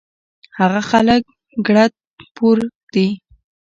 هغه خلک ګړد پوره دي